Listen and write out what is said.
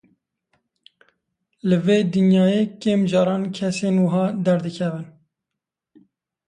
Li vê dinyayê kêm caran kesên wiha derdikevin.